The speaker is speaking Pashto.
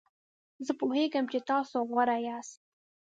زه پوهیږم چې تاسو غوره یاست.